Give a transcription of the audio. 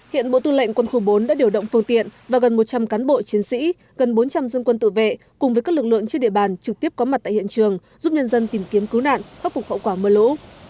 hiện bộ tư lệnh quân khu bốn đã điều động phương tiện và gần một trăm linh cán bộ chiến sĩ gần bốn trăm linh dân quân tự vệ cùng với các lực lượng trên địa bàn trực tiếp có mặt tại hiện trường giúp nhân dân tìm kiếm cứu nạn khắc phục hậu quả mưa lũ